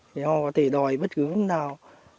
thì họ có thể đòi bất cứ vật nào